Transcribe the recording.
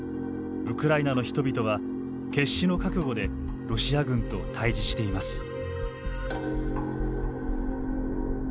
ウクライナの人々は決死の覚悟でロシア軍と対峙しています。